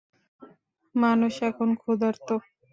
মানুষ এখন ক্ষুধার্ত।